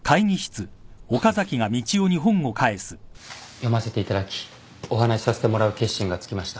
読ませていただきお話しさせてもらう決心がつきました。